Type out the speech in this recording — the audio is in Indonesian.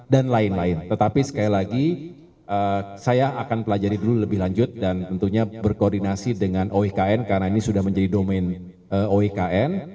dan lain lain tetapi sekali lagi saya akan pelajari dulu lebih lanjut dan tentunya berkoordinasi dengan oikn karena ini sudah menjadi domain oikn